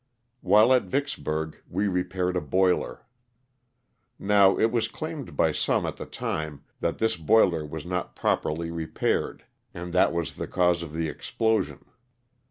While at Vicksburg we repaired a boiler. Now it was claimed by some at the time that this boiler was not properly repaired, and that was the cause of the explosion.